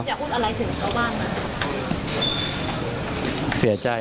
อ๋อบางนะ